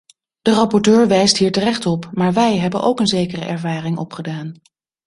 De rapporteur wijst hier terecht op, maar wij hebben ook een zekere ervaring opgedaan.